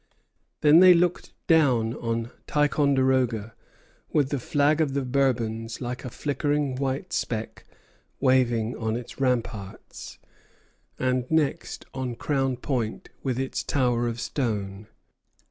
Then they looked down on Ticonderoga, with the flag of the Bourbons, like a flickering white speck, waving on its ramparts; and next on Crown Point with its tower of stone.